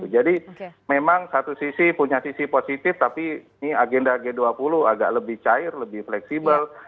jadi memang satu sisi punya sisi positif tapi agenda g dua puluh agak lebih cair lebih fleksibel